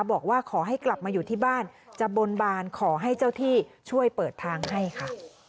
บอกว่าขอให้กลับมาอยู่ที่บ้านจะบนบานขอให้เจ้าที่ช่วยเปิดทางให้ค่ะ